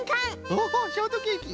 オホショートケーキ。